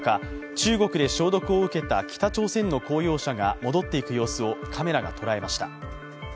中国で消毒を受けた北朝鮮の公用車が戻っていく様子をカメラが捉えました。